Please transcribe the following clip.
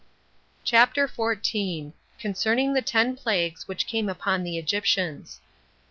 CHAPTER 14. Concerning The Ten Plagues Which Came Upon The Egyptians.